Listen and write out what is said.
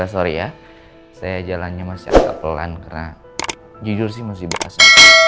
sorry ya saya jalannya masih agak pelan karena jujur sih masih basah